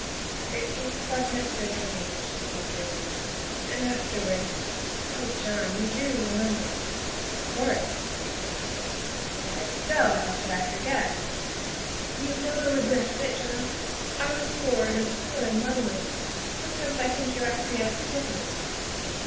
''" It tasted like nectar to me," she said dreamily, " and afterwards oh, John, you do remember?" " Of course," he said quickly. " Why, Estelle, how could I forget?" '' You have never regretted it, John ? I was poor and obscure and lonely. Sometimes I think you asked me out of pity."